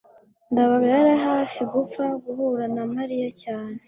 ndabaga yari hafi gupfa guhura na mariya cyane